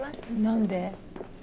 何で？